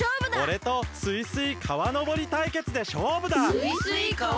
おれとスイスイ川のぼり対決でしょうぶだ！